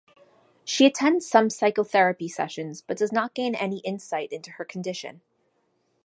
She attends some psychotherapy sessions, but does not gain any insight into her condition.